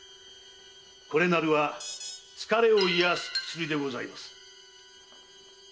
これなるは疲れを癒す薬でございます。